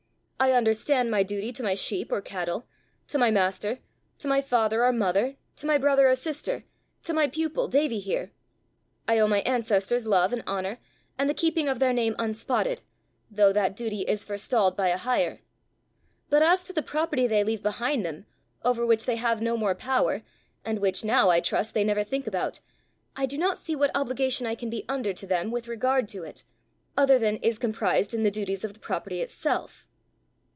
I understand my duty to my sheep or cattle, to my master, to my father or mother, to my brother or sister, to my pupil Davie here; I owe my ancestors love and honour, and the keeping of their name unspotted, though that duty is forestalled by a higher; but as to the property they leave behind them, over which they have no more power, and which now I trust they never think about, I do not see what obligation I can be under to them with regard to it, other than is comprised in the duties of the property itself."